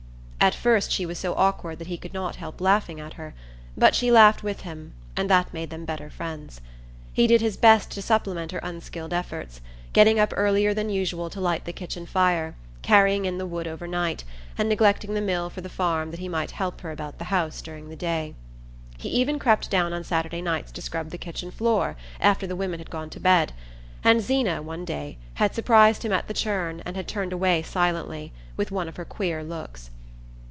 At first she was so awkward that he could not help laughing at her; but she laughed with him and that made them better friends. He did his best to supplement her unskilled efforts, getting up earlier than usual to light the kitchen fire, carrying in the wood overnight, and neglecting the mill for the farm that he might help her about the house during the day. He even crept down on Saturday nights to scrub the kitchen floor after the women had gone to bed; and Zeena, one day, had surprised him at the churn and had turned away silently, with one of her queer looks.